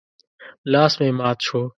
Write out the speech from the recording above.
لاس مې مات شو.